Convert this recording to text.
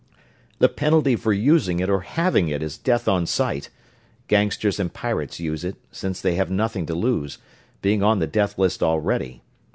"The penalty for using it or having it is death on sight. Gangsters and pirates use it, since they have nothing to lose, being on the death list already.